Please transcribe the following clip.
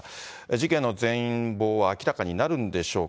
事件の全貌は明らかになるんでしょうか。